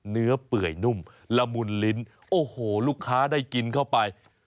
เปื่อยนุ่มละมุนลิ้นโอ้โหลูกค้าได้กินเข้าไป